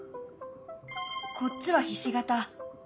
こっちはひし形！